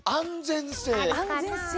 安全性？